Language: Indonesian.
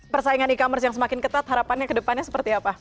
persaingan e commerce yang semakin ketat harapannya ke depannya seperti apa